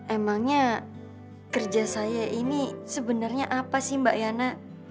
emangnya kerja saya ini sebenarnya apa sih mbak yana